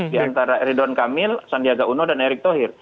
di antara eridon kamil sandiaga uno dan erik thohir